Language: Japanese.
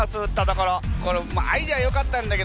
これアイデアよかったんだけどね